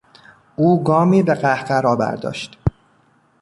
او گامی به قهقرا برداشت.